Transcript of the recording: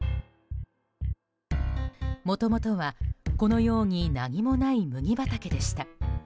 もともとは、このように何もない麦畑でした。